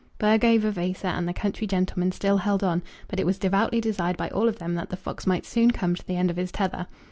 Burgo, Vavasor, and the country gentleman still held on; but it was devoutly desired by all of them that the fox might soon come to the end of his tether.